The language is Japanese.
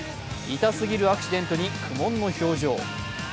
痛すぎるアクシデントに苦もんの表情。